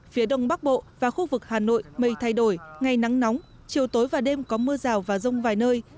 phía đông bắc bộ và khu vực hà nội mây thay đổi ngày nắng nóng chiều tối và đêm có mưa rào và rông vài nơi